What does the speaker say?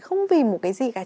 không vì một cái gì cả